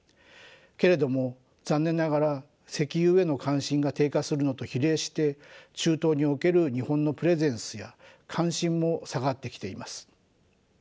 けれども残念ながら石油への関心が低下するのと比例して中東における日本のプレゼンスや関心も下がってきています。